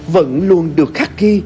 vẫn luôn được khắc ghi